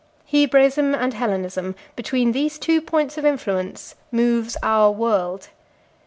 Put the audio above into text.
Hebraism and Hellenism, between these two points of influence moves our world.